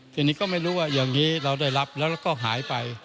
ทีนี้ก็ไม่รู้ว่าอย่างนี้เราได้รับแล้วก็หายไป